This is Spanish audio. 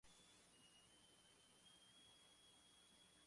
Se desempeña profesional en el sector público principalmente.